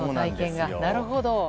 なるほど。